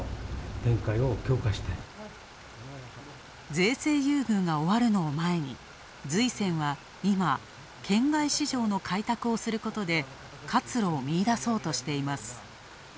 税制優遇が終わるのを前に、瑞泉は今、県外市場の開拓をすることで活路を見出そうとしています。